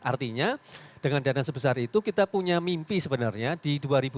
artinya dengan dana sebesar itu kita punya mimpi sebenarnya di dua ribu dua puluh